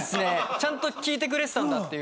ちゃんと聞いてくれてたんだっていう。